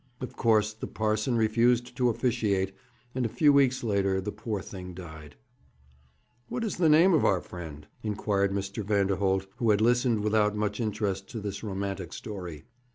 Of course, the parson refused to officiate, and a few weeks later the poor thing died.' 'What is the name of our friend?' inquired Mr. Vanderholt, who had listened without much interest to this romantic story.